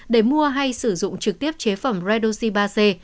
để mua hay sử dụng trực tiếp chế phẩm redoxi ba c